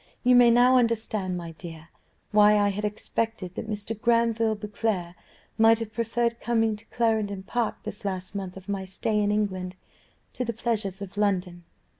You may now understand, my dear, why I had expected that Mr. Granville Beauclerc might have preferred coming to Clarendon Park this last month of my stay in England to the pleasures of London.